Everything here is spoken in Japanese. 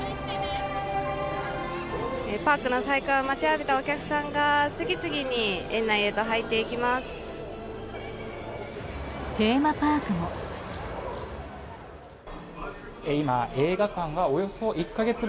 パークの再開を待ちわびたお客さんが次々に園内へと入っていきます。